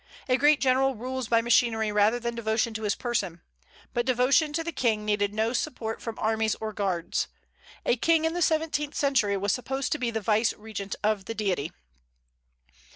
A great general rules by machinery rather than devotion to his person. But devotion to the king needed no support from armies or guards. A king in the seventeenth century was supposed to be the vicegerent of the Deity.